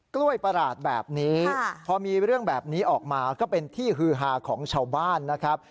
กล้วยประหลาดแบบนี้พอมีเรื่องแบบนี้ออกมาก็เป็นที่ฮือฮาของชาวบ้านนะครับ